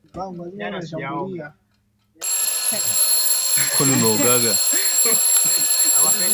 sehemu za kidiniMamlaka kuu iko mikononi mwa Kiongoz